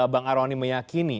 bang arwani meyakini